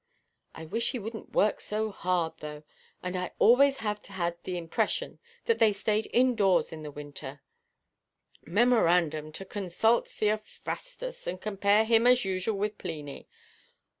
I wish he wouldnʼt work so hard, though, and I always have had the impression that they stayed in–doors in the winter. Mem. To consult Theophrastus, and compare him, as usual, with Pliny.